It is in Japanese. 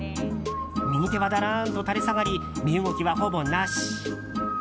右手はだらんと垂れ下がり身動きはほぼなし。